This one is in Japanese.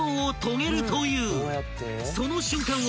［その瞬間を］